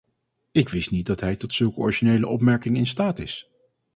Ik wist niet dat hij tot zulke originele opmerkingen in staat is.